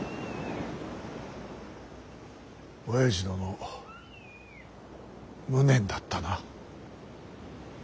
おやじ殿無念だったな。